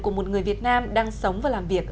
của một người việt nam đang sống và làm việc